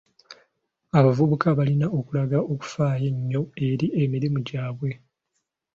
Abavubuka balina okulaga okufaayo ennyo eri emirimu gyabwe.